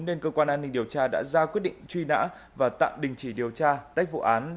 nên cơ quan an ninh điều tra đã ra quyết định truy nã và tạm đình chỉ điều tra tách vụ án